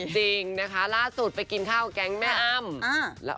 จริงนะคะล่าสุดไปกินข้าวแก๊งแม่อ้ำ